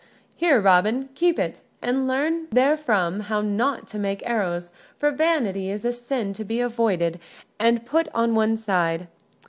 "Here, Robin, keep it, and learn therefrom how not to make arrows, for vanity is a sin to be avoided and put on one side.